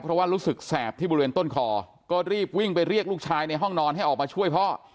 เพราะว่ารู้สึกแสบที่บริเวณต้นคอก็รีบวิ่งไปเรียกลูกชายในห้องนอนให้ออกมาช่วยพ่อ